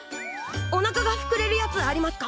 おなかがふくれるやつありますか？